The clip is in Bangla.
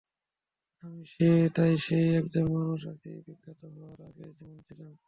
আমি তাই সেই একই মানুষ আছি, বিখ্যাত হওয়ার আগে যেমন ছিলাম।